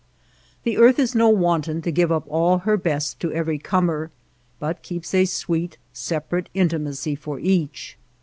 The earth is no wanton to give up all her best to every comer, but keeps a sweet, separate intimacy for each.